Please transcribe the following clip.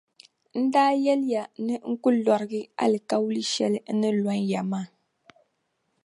N daa yɛliya ni n ku lɔrigi alikauli shɛli n ni lɔn ya maa.